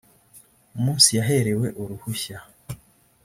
umunsi yaherewe uruhushya